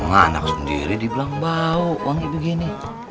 emang anak sendiri dibilang bau wangi begini